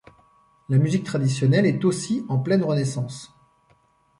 La musique traditionnelle est aussi en pleine renaissance.